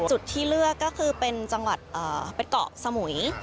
จุดที่เลือกก็คือเป็นจังหวัดเป็นเกาะสมุย